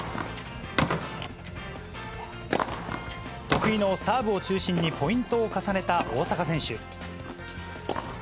得意のサーブを中心にポイントを重ねた大坂選手。